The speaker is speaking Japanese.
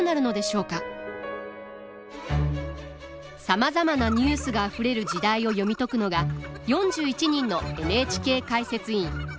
さまざまなニュースがあふれる時代を読み解くのが４１人のＮＨＫ解説委員。